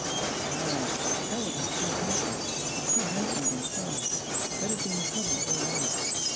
Ah, Harold was too handsome, too handsome by far; that had been the trouble all along.